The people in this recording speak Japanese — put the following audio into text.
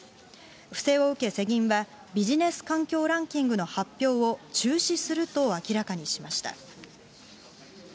不正を受け、世銀はビジネス環境ランキングの発表を中止すると明らかにしました。